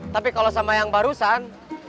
tapi kalau sama yang barusan